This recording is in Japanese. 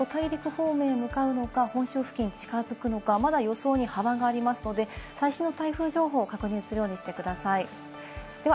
かなり接近したあと、東シナ海へ進みますが、その後、大陸方面へ向かうのか、本州付近に近づくのか、まだ予想に幅がありますので、最新の台風情報を確認するようにしてください。